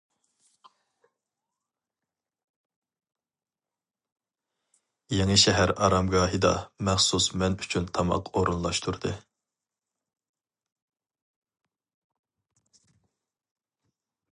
يېڭىشەھەر ئارامگاھىدا مەخسۇس مەن ئۈچۈن تاماق ئورۇنلاشتۇردى.